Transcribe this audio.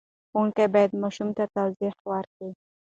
ښوونکی باید ماشوم ته توضیح ورکړي.